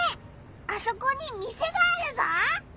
あそこに店があるぞ！